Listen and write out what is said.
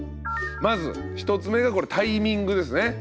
まず１つ目がこれ「タイミング」ですね。